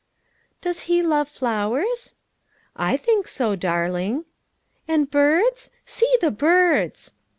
" Does He love flowers ?" "I think so, darling." " And birds ? See the birds